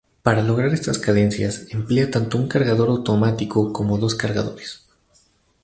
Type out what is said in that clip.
Para lograr estas cadencias, emplea tanto un cargador automático como dos cargadores.